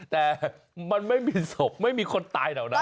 แต่มันไม่มีศพไม่มีคนตายเหล่านั้น